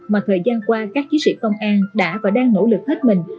mà thời gian qua các chiến sĩ công an đã và đang nỗ lực hết mình